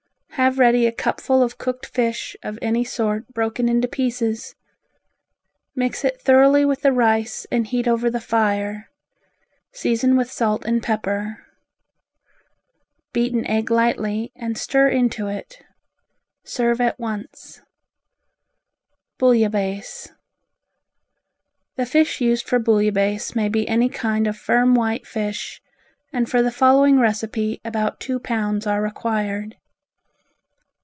Have ready a cupful of cooked fish of any sort broken into pieces. Mix it thoroughly with the rice and heat over the fire; season with salt and pepper. Beat an egg lightly and stir into it. Serve at once. Bouillabaise The fish used for bouillabaise may be any kind of firm white fish, and for the following recipe, about two pounds are required.